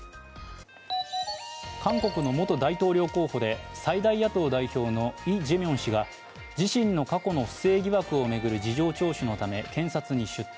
韓国の元大統領候補で最大野党代表のイ・ジェミョン氏が自身の過去の不正疑惑を巡る事情聴取のため検察に出頭。